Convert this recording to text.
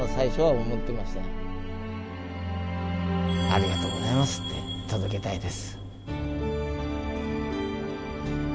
「ありがとうございます」って届けたいです。